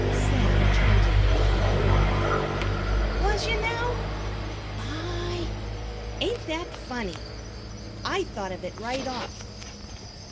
Sam turned to him with a grin. "Was yer now? By ! Ain't that funny? I thought of it right off."